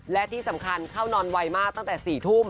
และที่สำคัญเข้านอนไวมากตั้งแต่๔ทุ่ม